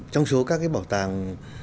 trong số các cái bảo tàng